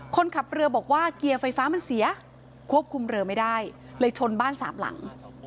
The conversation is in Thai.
คนขับเรือบอกว่าเกียร์ไฟฟ้ามันเสียควบคุมเรือไม่ได้เลยชนบ้านสามหลัง